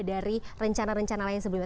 dari rencana rencana lain sebelumnya